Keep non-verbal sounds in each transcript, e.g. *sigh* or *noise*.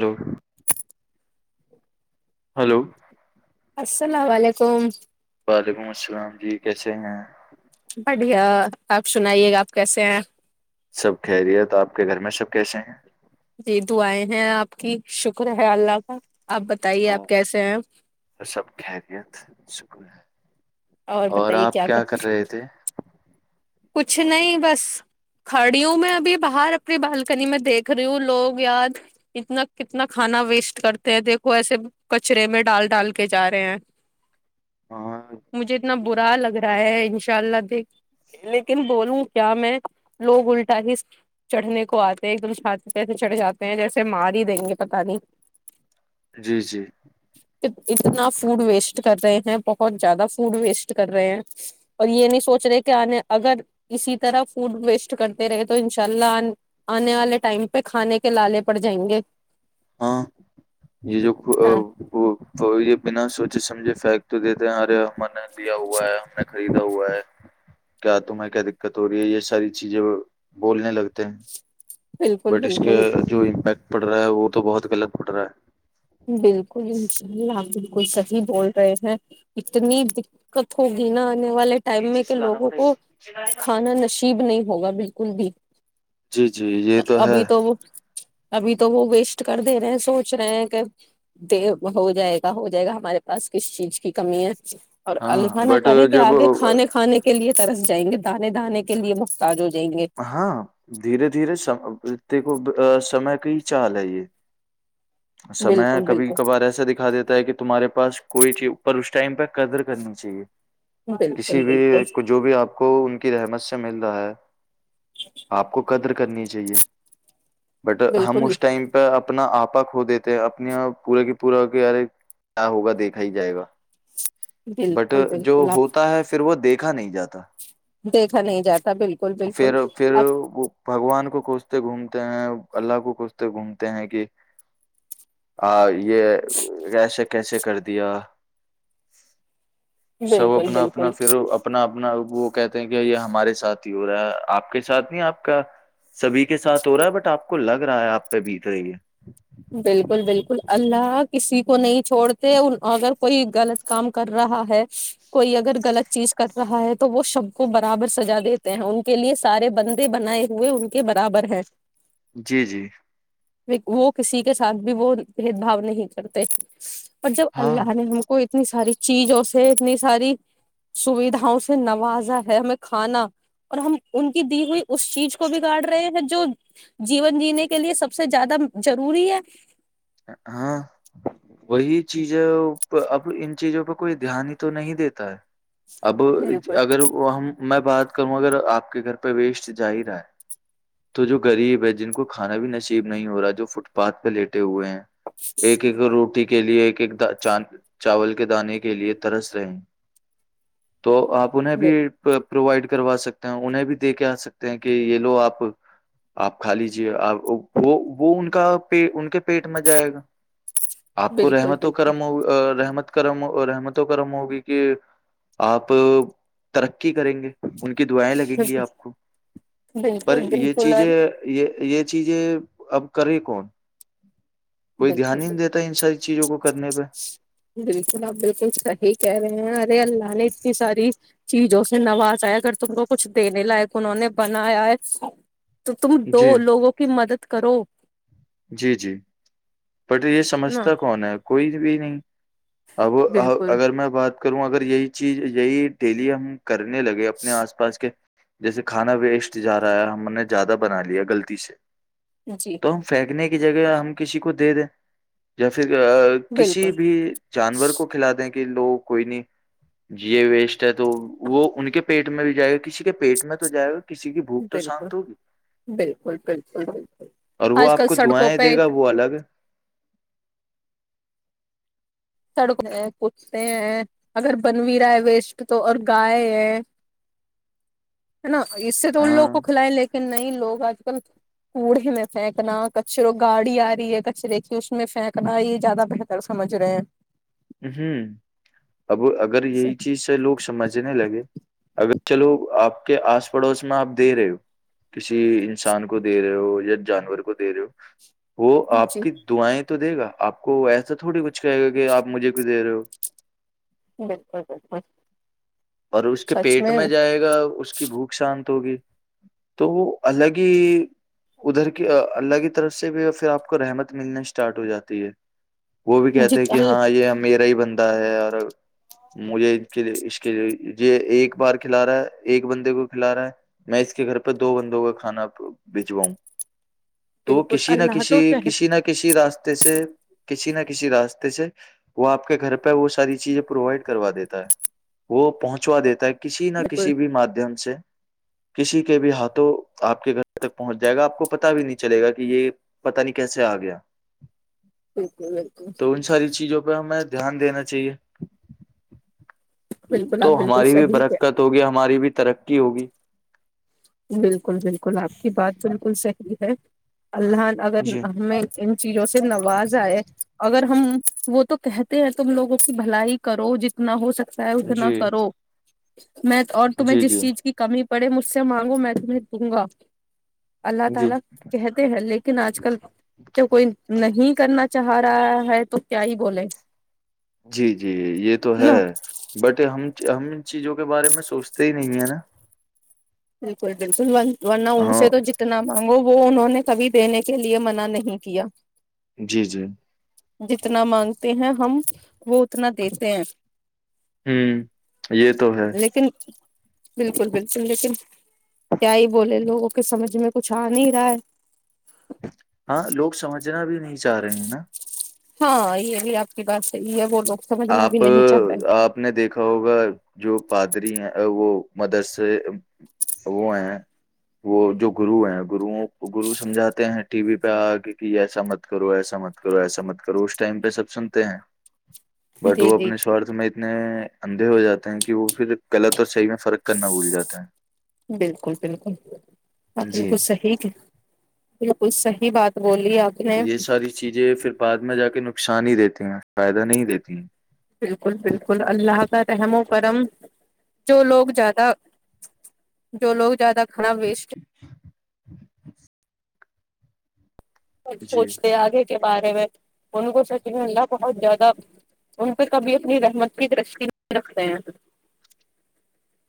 لو hello السلام علیکم وعلیکم السلام جی کیسے ہیں بڑھیا آپ سنائیے گا آپ کیسے ہیں سب خیریت آپ کے گھر میں سب کیسے ہیں جی دعئےیں ہیں آپ کی شکر ہے اللہ کا آپ بتائیے آپ کیسے ہیں ا سب خریت شکر ہے اور آپ کیا کر رہے تھے کچھ نہیں بس کھڑی ہوں میں ابھی باہر اپنی بالکنی میں دیکھ رہی ہوں لوگ یاد اتنا کتنا کھانا ویسٹ کرتے ہیں دیکھو ایسے کچرے میں ڈال ڈال کے جا رہے ہیں ہاں مجھے اتنا برا لگ رہا ہے انشاء اللہ دیکھ لیکن بولوں کیا میں لوگ الٹا ہی چڑھنے کو آتے ایک دم چھات سے چڑے جاتے ہیں جیسے مارج دیں گے پتا نہیں جی جی اتنا فوڈ ویسٹ کر رہے ہیں بہت زیادہ فوڈ ویسٹ کر رہے ہیں اور یہ نہیں سوچ رہے آنے اگر اسی طرح فوڈ ویسٹ کرتے رہے تو انشاء اللہ آنے والے ٹائم پہ کھانے کے لالے پڑ جائیں گے ہاں یہ جو ہاں وہ یہ بنا سوچے سمجھے پھی تو دیتے ہیں ارے ہم نے دیا ہوا ہے ہم نے خریدا ہوا ہے کیا تمہیں کیا دقت ہو رہی ہے یہ ساری چیزیں بولنے لگتے ہیں بالکل بٹ اس کے بالکل جو امپیکٹ پڑ رہا ہے وہ تو بہت غلط پھٹ رہا ہے بالکل انء ال کوئی سحی بول ہیں اتنی دقت ہوگی نا والے ٹائم میں نیچے کہ سے لانا لوگوں پڑے کو گا کھانا نصیب نہیں ہوگا بالکل بھی جی جی یہ تو ہے ابھی وہ ابھی تو وہ ویسٹ کر دے رہے ہیں سوچ رہے ہیں کہ د ہو جائے گا ہو جائے گا ہمارے پاس کس چیز کی کمی ہے اور الف ہاں نہ بٹ کرے کہ جب آگے کھانے کھانے کے لیے طرف جائیں گے دانے دانے کے لیے بہتاج ہو جائیں گے ہاں دھیرے دھیرے س د کو سمے کا ہی چال ہے یہ سمے بالکل کبھی بالکل کبھار ایسا دکھا دیتا ہے کہ تمہارے پاس کوئی چیز اوپر اس ٹائم پک قدر کرنی چاہیے کسی بالکل بھی بالکل کو جو بھی آپ کو کی رحمت سے مل رہا ہے آپ کو قدر کرنی چاہیے بٹ ہم بالکل اس ٹائم پہ اپنا آپا کھو دیتے ہیں اپنیاں پورے کی پورا کہ یارے کیا ہوگا دیکھا ہی جائے گا بٹ بالکل جو بالکل آپ ہوتا ہے پھر وہ دیکھ دکھا نہیں جاتا دیکھا نہیں جاتا بالکل بالکل پھر پھر آپ وہ بھگوان کو پوچھتے گھومتے ہیں اللہ کو کتے گھومتے ہیں کہ یہ ایسے کیسے کر دیا سب بالکل اپنا اپنا بالکل پھر اپنا اپنا وہ کہتے ہیں کہ یہ ہمارے ساتھی ہی ہو رہا ہے آپ کے ساتھ نہیں آپ کا سبھی کے ساتھ ہو رہا ہے بٹ آپ کو لگ رہا ہے آپ پہ بیت رہی ہے بالکل بالکل اللہ کسی کو نہیں چھوڑتے اگر کوئی غلط کام کر رہا ہے کوئی اگر غلط چیز کر رہا ہے تو وہ سب کو برابر سجا دیتے ہیں ان کے لیے سارے بندے بنائے ہوئے ان کے برابر ہیں جی جی وہ کسی کے ساتھ بھی وہ بھید بھاؤ نہیں کرتے پر جب ہاں اللہ نے ہم کو اتنی ساری چیزوں سے اتنی ساری سوھاوں سے نوازا ہے ہمیں کھانا اور ہم ان کی دی ہوئی اس چیز کو بگاڑ رہے ہیں جو جیون جینے کے لیے سب سے زیادہ جروری ہے ہاں وہی چیزیں اب ان چیزوں پ کوئی دھیان ہی تو نہیں دیتا ہے اب بالکل اگر وہ ہم میں بات کروں اگر آپ کے گھر پہ ویسٹ جاہ رہا ہے تو جو غریب ہے جن کو کھانا بھی نصیب نہیں ہو رہا ہے جو فٹ پاتھ پہ لیٹے ہوئے ہیں ایک ایک روٹی کے لئے ایک چاول کے دانے کے لئے ترس رہیں تو آپ انہیں بھی بالکل۔ پرووائڈ کروا سکتے ہیں انہیں بھی دے کے آ سکتے ہیں کہ یہ لو آپ آپ کھا لیجیے وہ ان کا پ ان کے پیٹ ک مزہ آئے گا آپ کو بالکل رحمت و بالکل کرم ہو رحمت گرم اور رحمت و کرم ہوگی کہ اپ ترقی کریں گے کی دعائیں لگیں گی آپ کو پر بالکل یہ بالکل چیزیں ارے یہ یہ چیزیں اب کرے کون کوئی بالکل دھیان ہی نہیں دیتا بالکل ان ساری چیزوں کو کرنے پہ بالکل آپ بالکل صحی کہہ رہے ہیں ارے اللہ نے اتنی ساری چیزوں سے نوازائے اگر تم کو کچھ دینے لائق انہوں نے بنایا ہے تو تم دو جی لوگوں کی مدد کرو جی جی بٹ یہ ہے نا سمجھتا کون ہے کوئی بھی نہیں اب بالکل اگر میں بات کروں اگر یہی چیز یہی ڈیلی ہم کرنے لگے اپنے آس پاس کے جیسے کھانا ویسٹ جاار رہا ہے، ہم نے زیادہ بنا لیا غلطی سے جی لنے کی جگہ ہم کسی کو دے دیں یا پھر بالکل کسی بھی جانور کو کھلا دیں کہ کہ لوگ کوئی نہیں جیے وی ہے تو وہ ان کے پیٹ میں بھی جائے گا کسی کے پیٹ میں تو جائے گا کسی کی بھوک تو بالکل شانت ہوگی بالکل بالکل بالکل اور وہ آج کل آپ کو سڑکوں دعائیں پہ دے گا وہ الگ ہے سڑک ہیں کودتے ہیں اگر بن بھی رہا ہے ویسٹ تو اور گائے ہے ہے نا اس سے تو ان لوگ کو ہاں کھلائ لیکن نہیں لوگ آج کوڑے میں پھینکنا کچروں گاڑی آ رہی ہے کچرے کی اس میں پھینکنا یہ زیادہ بہتر سمجھ رہے ہیں ہ اب اگر یہی چیز سے لوگ سمجھنے لگے اگر چلو آپ کے آس پڑوس میں آپ دے رہے ہو کسی انسان کو دے رہے ہو یا جانور کو دے رہے ہو وہ آپ جی کی دعیں تو دے گا آپ کو ایسا تو تھوڑی کچھ کہے گا کہپجھے ک د رہ ہو بالکل بالکل اور اس کے پیٹ میں جائے گا اس کی بھوک شان ہوگی تو وہ الگ ہی ادھر کی اللہ کی طرف سے بھی پھر آپ کو رحمت ملنے اسٹارٹ ہو جاتی ہے وہ بھی جی کہتے ہیں کہ ہاں یہ میرا ہی بندتا ہے اور مجھے کے اس کہ یہ ایک بار کھلا رہا ہے ایک بندے کو کھلا رہا ہے میں اس کے گھر پہ دو بندوں کا کھانا بجواؤں تو بالکل کسی نہ اللہ کسی تو کہہ، کسی نہ کسی راستے سے کسی نہ کسی راستے سے وہ آپ کے گھر پہ وہ ساری چیزیں پرووائڈ کروا دیتا ہے وہ پہنچوا دیتا ہے کسی نہ بالکل کسی بھی مادھیم سے کسی کے بھی ہاتھوں آپ کے گھر تک پہنچ جائے گا آپ کو پتا بھی نہیں چلے گا کہ یہ پتا نہیں کیسے آ گیا بالکل بالکل تو ان ساری چیزوں پہ ہمیں دھیان دینا چاہیے بالکل تو آپ بالکل ہماری بھی صحیح برقت ہوگی ہماری بھی ترقی ہوگی بالکل بالکل آپ کی بات ب ان صحی ہے اللہ اگر جی ہمیں ان چیزوں سے نواز آئے اگر ہم وہ تو کہتے ہیں تم لوگوں کی بھلائی کرو جتنا ہو سکتا چاہے است جی نہ کرو میں اور تمہیں جی جس جی چیز کی کمی بڑے م سے مانگوں میں تمہیں دوں گا اللہ جی تعالا کہتے ہیں لیکن آج کل تو کوئی نہیں کرنا چھا رہا ہے تو کیا ہی بولے جی جی یہ تو ہے نا بٹ ہم ہم ان چیزوں کے بارے میں سوچتے ہی نہیں ہے نا بالکل بالکل ورنہ ان ہاں سے تو جتنا مانگو وہ انہوں نے کبھی دینے کے لیے منع نہیں کیا جی جی جتنا مانگتے ہیں ہم وہ اتنا دیتے ہیں ہوں یہ تو ہے لیکن بالکل بالکل لیکن کیا ہی بولے لوگوں کے سمجھ میں کچھ آ نہیں رہا ہے ہاں لوگ سمجھنا بھی نہیں چاہ رہے ہیں نا ہاں یہ بھی آپ کی بات ہے یہ ب آپ آپ نے دیکھا ہوگا جو پادری ہیں وہ مدرسے وہ ہیں وہ جو گرو ہیں گرو کو گرو سمجھاتے ہیں ٹی وی پہ آگ کہ ایسا مت کرو ایسا مت کرو ایسا مت کرو اس ٹائم پہ سب سنتے ہیں بٹ جی وہ جی اپنے جی سوارھ میں اتنے اندھے ہو جاتے ہیں کہ وہ پھر غلط اور صحیح میں فرق کرنا بھول جاتا ہیں بالکل بالکل ب جی بکل صحیح بالکل صحی بات روم یہ ساری چیزیں پھر بعد میں جا کے ن نقشانی ہی دیتے ہیں فائدہ نہیں دیتی ہیں بالکل بالکل اللہ کا رحم و کرم جو لوگ زیادہ جو لوگ زیادہ ہان وسٹ *inaudible* کچ جی سوچتے آ گئے کے بارے میں ان کو سچ اللہ بہت زیادہ ان پہ کبھی اپنی رحمت کی درش نہیں رکھتے ہیں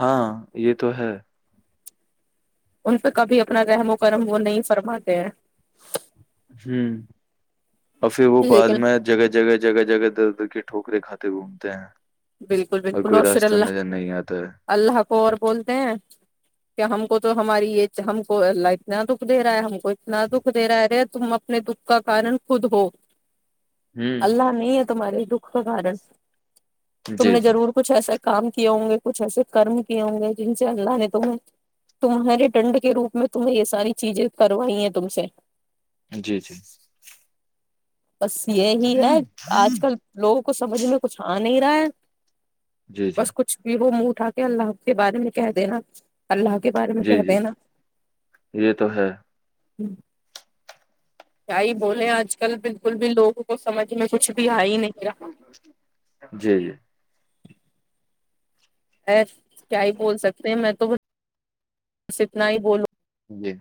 ہاں یہ تو ہے ان پہ کبھی اپنا رحم و کرم وہ نہیں فرماتے ہیں ہ اور پھر وہ بعد لیکن میں جگہ جگہ جگہ جگہ دھرھر ٹوکرے کھاتے گھومتے ہیں بالکل بالکل کوئی اور پھر راستہ اللہ نظر نہیں آتا ہے اللہ کو اور بولتے ہیں کہ ہم کو تو ہماری یہ ہم کو اللہ اتنا دکھ دے رہا ہے ہم کو اتنا دکھ دے رہا ہے رے تم اپنے دکھ کا کارن خود ہو ہوں اللہ نہیں تمہارے دکھ کا کارن تم نے جی جی ضرور کچھ ایسا کام کیے ہوں گے کچھ ایسے کرم کیے ہوں گے جن سے اللہ نے تم تمہارے دنڈ کے روپ میں تمہیں یہ ساری چیزیں کروائی ہیں تم سے جی جی بس یہی ہے آج کل لوگوں کو سمجھ میں کچھ آ بھی نہیں رھا ھے جی جی بس کچھ بھی وہ منہ اٹھا کے اللہ کے بارے میں کہہ دینا اللہ کے بارے میں جی کہتے جی ہیں نا یہ تو ہے ھم کیا ہی بولے آج کل بالکل بھی لوگ وہ سمجھ میں کچھ بھی آ ہی نہیں رہا جی جی ای کیا ہی بول سکتے ہیں میں تو بس اتنا ہی بولو جی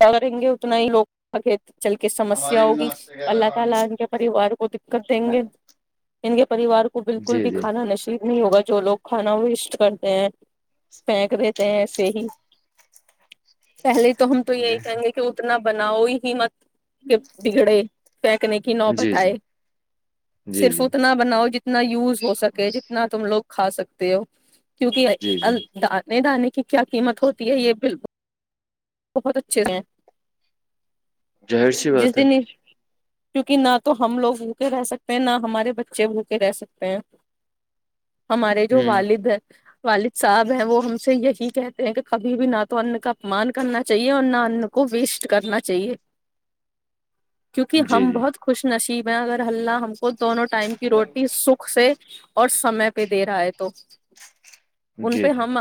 کیا کریں گے اتنا ہی لوگ گ چل کے سامسیا ھو گی اللہ تلا ان کے پریوار کو دیکت دے گے ان کے پریوار کو بالکل جی بھی جی کھانا نشیب نہیں ہوگا جو لو کھانا وہ اسٹ کرتے ہیں پھینک دی تھ ہیں ہی پہلے تو تو جی یہی کہیں گ کہ اتنا بناؤ ہی مطلب کہ بگڑے پھینکنے کی جی نوبت آئے جی جی صرف جی اتنا بناؤ جتنا یوز ہو سکے جتنا تم لوگ کھا سکتے ہو کیونکہ جی جی نہیں دے کی کیا قیمت ہوتی ہے یہ بالکل بہت اچھے ہیں ظاہر سی بات جس ہے دن کیونکہ نہ تو ہم لوگ بوکے رہ سکتے ہیں نہ ہمارے بچے بھوکے رہ سکتے ہیں ہمارے جو ہوں والد ہیں والد صاحب ہیں وہ ہم سے یہی کہتے ہیں کہ کبھی بھی نہ تو انن کا اپمان کرنا چاہیے اور نہ ان کو ویسٹ کرنا چاہیے کیونکہ جی ہم جی بہت خوش نشیب میں اگر ہلہ ہم کو دونوں ٹائم کی روٹی سکھ سے اور سمے پہ دے رہا ہے تو ان جی پہ ہم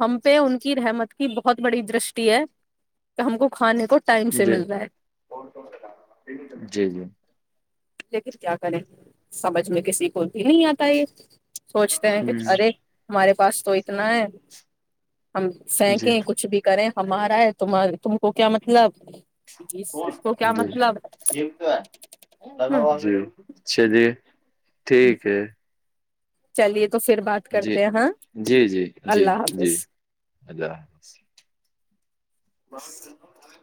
ہم پہ ان کی رحمت کی بہت بڑی دش ہے کہ ہم کو کھانے کو ٹائم سے جی مل رہا ہے جی جی لیکن کیا کریں سمجھ میں کسی کو بھی نہیں آتا یہ سوچتے ہ ہیں کہ ارے ہمارے پاس تو اتنا ہے ہم سینکیں کچھ بھی کریں تمہارے تم کو کیا مطلب اس اس کو کیا مطلب جی کیا چ ج ٹھیک ہے چلیے تو پھر بات جی کرتے ہیں ہاں جی جی جی اللہ جی حافظ اللہ حافظ *inaudible*